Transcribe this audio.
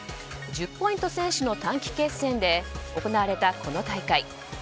１０ポイント先取の短期決戦で行われたこの大会。